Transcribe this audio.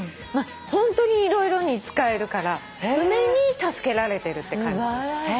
ホントに色々に使えるから梅に助けられてるって感じ。